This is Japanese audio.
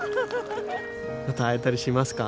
また会えたりしますか？